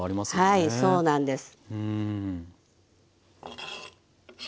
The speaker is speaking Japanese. はいそうなんです。